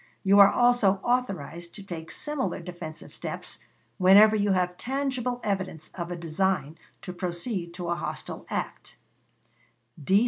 You are also authorized to take similar defensive steps whenever you have tangible evidence of a design to proceed to a hostile act.